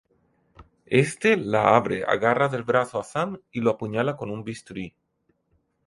Éste la abre, agarra del brazo a Sam y lo apuñala con un bisturí.